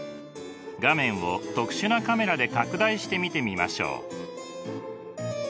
画面を特殊なカメラで拡大して見てみましょう。